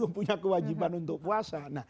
kan dia belum punya kewajiban untuk puasa